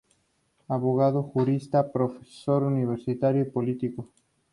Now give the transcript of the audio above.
Abogado, jurista, profesor universitario y político.